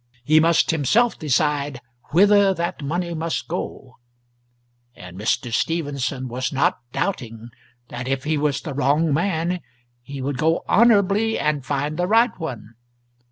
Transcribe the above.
He must himself decide whither that money must go and Mr. Stephenson was not doubting that if he was the wrong man he would go honourably and find the right one.